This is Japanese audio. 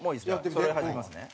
そろえ始めますね。